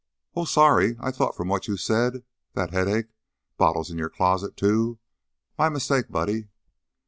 "Oh! Sorry! I thought from what you said that headache bottles in your closet, too! My mistake, Buddy."